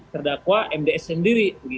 terdakwa mds sendiri